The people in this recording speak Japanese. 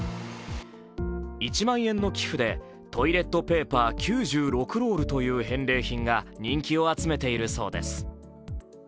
１万円の寄付でトイレットペーパー９６ロールという返礼品が人気を集めているそうです。